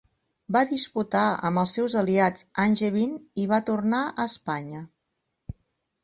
Va disputar amb els seus aliats Angevin i va tornar a Espanya.